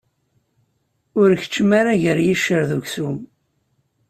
Ur keččem ara gar yiccer d uksum.